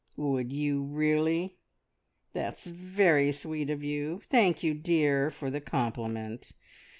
"Would you really? That's very sweet of you. Thank you, dear, for the compliment.